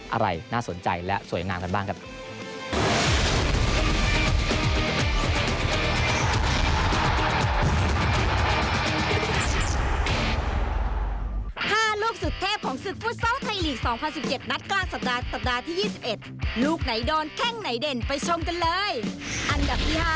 อะไรน่าสนใจและสวยงามกันบ้างครับ